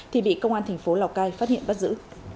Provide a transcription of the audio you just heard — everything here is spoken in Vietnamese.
thì bị công an tp lào cai phát hiện bắt giữ